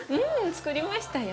つくりましたよ。